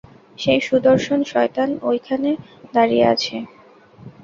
সেই সুদর্শন শয়তান ওই ওখানে দাঁড়িয়ে আছে।